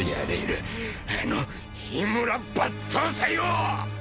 あの緋村抜刀斎を！